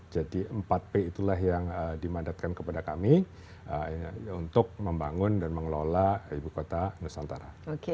jadi empat p itulah yang dimandatkan kepada kami untuk membangun dan mengelola ibu kota nusantara